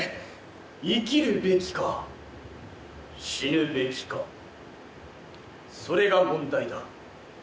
「生きるべきか死ぬべきかそれが問題だ」